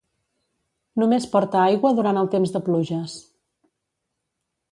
Només porta aigua durant el temps de pluges.